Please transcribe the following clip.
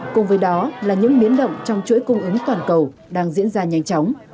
cùng với đó là những biến động trong chuỗi cung ứng toàn cầu đang diễn ra nhanh chóng